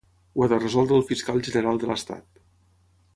Ho ha de resoldre el Fiscal General de l'Estat.